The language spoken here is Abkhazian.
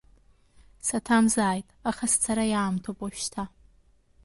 Саҭамзааит, аха сцара иаамҭоуп уажәшьҭа.